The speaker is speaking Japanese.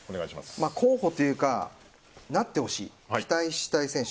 候補というかなってほしい、期待したい選手。